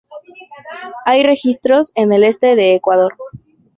Hay registros en el este de Ecuador.